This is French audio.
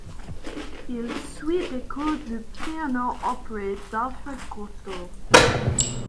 Il suit des cours de piano auprès d'Alfred Cortot.